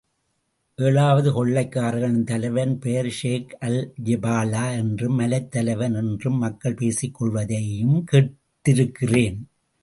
ஏழாவது கொள்கைக் காரர்களின் தலைவன் பெயர் ஷேக் அல்ஜெபலா என்றும், மலைத்தலைவன் என்றும் மக்கள் பேசிக் கொள்வதையும் கேட்டிருக்கிறான்.